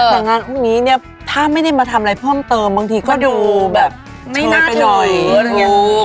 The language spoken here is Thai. แต่แต่งงานพวกนี้เนี่ยถ้าไม่ได้มาทำอะไรเพิ่มเติมบางทีก็ดูแบบเฉยไปหน่อยไม่น่าถูก